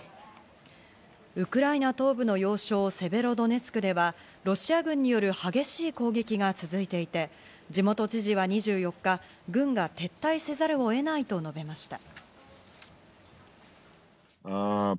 ウクライナ東部の要衝セベロドネツクではロシア軍による激しい攻撃が続いていて、地元知事は２４日、軍が撤退せざるを得ないと述べました。